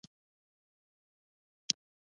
مصنوعي ځیرکتیا د شفافیت غوښتنه زیاتوي.